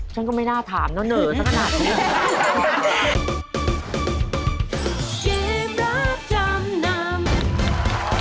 ฉันก็ไม่น่าถามเนอะเหนอสักขนาดนี้